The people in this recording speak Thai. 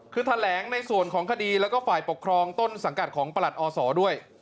คือแถลงในส่วนของคดีแล้วก็ฝ่ายปกครองต้นสังกัดของประหลัดอศด้วย